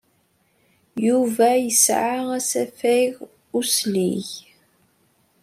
Yuba yesɛa asafag uslig.